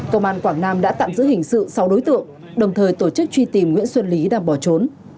công an quảng nam đã tạm giữ hình sự sáu đối tượng đồng thời tổ chức truy tìm nguyễn xuân lý đang bỏ trốn